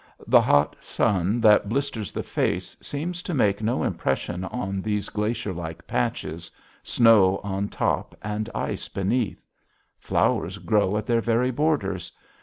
The hot sun that blisters the face seems to make no impression on these glacier like patches, snow on top and ice beneath. Flowers grow at their very borders.